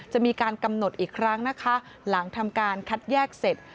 จะมีการกำหนดอีกครั้งนะคะหลังทำการคัดแยกเสร็จ